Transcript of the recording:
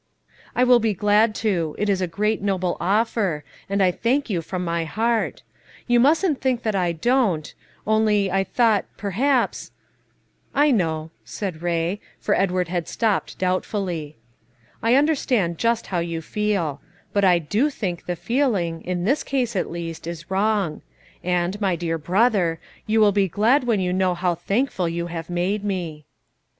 "I will be glad to; it is a great, noble offer, and I thank you from my heart. You mustn't think that I don't; only I thought perhaps" "I know," said Ray, for Edward had stopped doubtfully; "I understand just how you feel; but I do think the feeling, in this case at least, is wrong; and, my dear brother, you will be glad when you know how thankful you have made me."